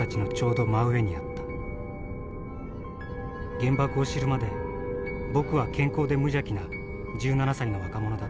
原爆を知るまで僕は健康で無邪気な１７歳の若者だった。